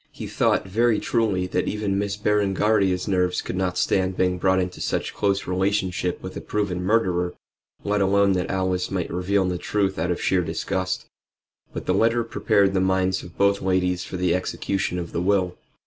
He thought, very truly, that even Miss Berengaria's nerves could not stand being brought into such close relationship with a proven murderer, let alone that Alice might reveal the truth out of sheer disgust. But the letter prepared the minds of both ladies for the execution of the will.